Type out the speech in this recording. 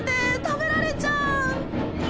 食べられちゃう！